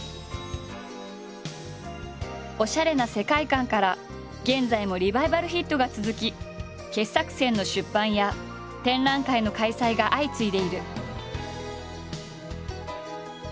おしゃれな世界観から現在もリバイバルヒットが続き傑作選の出版や展覧会の開催が相次いでいる。